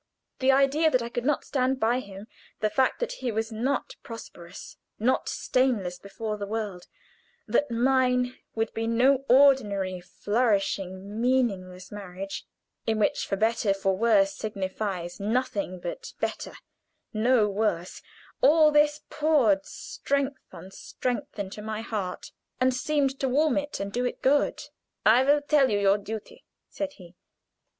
The idea that I could not stand by him the fact that he was not prosperous, not stainless before the world that mine would be no ordinary flourishing, meaningless marriage, in which "for better, for worse" signifies nothing but better, no worse all this poured strength on strength into my heart, and seemed to warm it and do it good. "I will tell you your duty," said he.